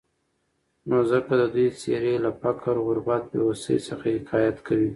نو ځکه د دوي څېرې له فقر، غربت ، بېوسي، څخه حکايت کوي.